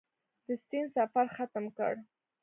د سیند سفر ختم کړ.